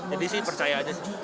jadi sih percaya aja sih